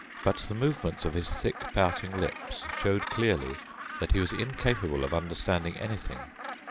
But the movements of his thick pouting lips showed clearly that he was incapable of understanding anything.